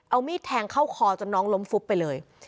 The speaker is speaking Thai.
เอามีดแทงเข้าคอจนน้องล้มฟุบไปเลย